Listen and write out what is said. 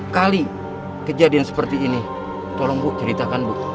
kali kejadian seperti ini tolong bu ceritakan bu